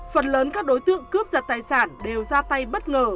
phần lớn các đối tượng cướp giật tài sản đều ra tay bất ngờ